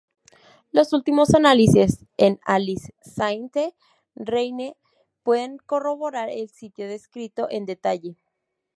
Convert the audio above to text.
Los últimos análisis en Alise-Sainte-Reine pueden corroborar el sitio descrito en detalle.